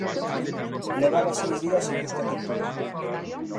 Levaba seis días en busca e captura.